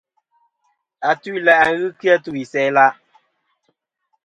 Atu-ila' ghɨ kɨ a tu isæa-la'.